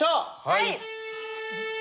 はい！